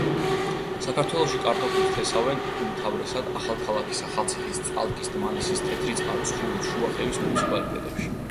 საქართველოში კარტოფილს თესავენ უმთავრესად ახალქალაქის, ახალციხის, წალკის, დმანისის, თეთრი წყაროს, ხულოს, შუახევის მუნიციპალიტეტებში.